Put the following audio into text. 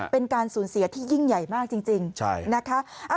เป็นการสูญเสียที่ยิ่งใหญ่มากจริงนะคะ